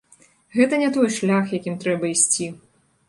Гэта не той шлях, якім трэба ісці.